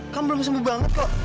kan belum sembuh banget kok